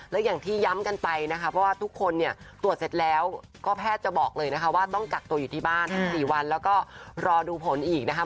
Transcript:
และอย่างที่ย้ำกันไปนะคะเพราะว่าทุกคนเนี่ยตรวจเสร็จแล้วก็แพทย์จะบอกเลยนะคะว่าต้องกักตัวอยู่ที่บ้าน๑๔วันแล้วก็รอดูผลอีกนะคะ